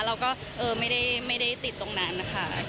เราก็ไม่ได้ติดตรงนั้นนะคะ